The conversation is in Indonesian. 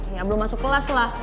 ya belum masuk kelas lah